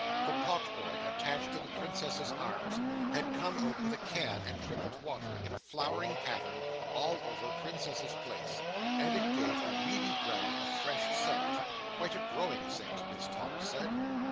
The pot boy attached to the Princess's Arms had come out with a can and trickled water, in a flowering pattern, all over Princess's Place, and it gave the weedy ground a fresh scent—quite a growing scent, Miss Tox said.